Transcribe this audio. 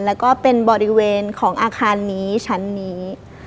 แล้วก็เป็นบริเวณของอาคารนี้ชั้นนี้